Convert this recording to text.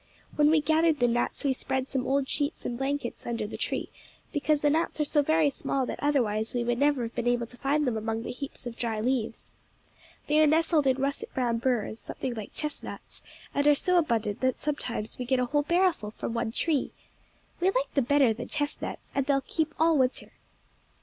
When we gathered the nuts we spread some old sheets and blankets under the tree, because the nuts are so very small that otherwise we would never have been able to find them among the heaps of dry leaves. They are nestled in russet brown burrs, something like chestnuts, and are so abundant that sometimes we get a whole barrelful from one tree. We like them better than chestnuts, and they keep all winter.